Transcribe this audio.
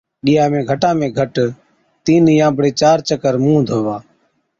ڏِيها ۾ گھٽا ۾ گھٽ تِين يان بڙي چار چڪر مُونه ڌوا